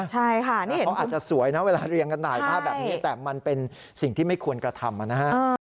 ใช่ค่ะนี่เขาอาจจะสวยนะเวลาเรียงกันถ่ายภาพแบบนี้แต่มันเป็นสิ่งที่ไม่ควรกระทำนะฮะ